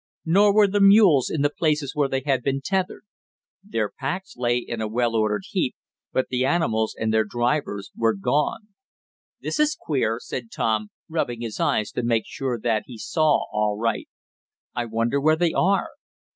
Nor were the mules in the places where they had been tethered. Their packs lay in a well ordered heap, but the animals and their drivers were gone. "This is queer," said Tom, rubbing his eyes to make sure that he saw aright. "I wonder where they are?